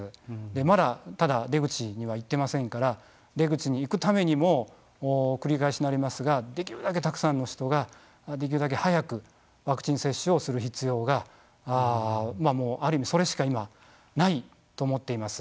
まだただ出口には行ってませんから出口に行くためにも繰り返しになりますができるだけたくさんの人ができるだけ早くワクチン接種をする必要がもうある意味それしか今ないと思っています。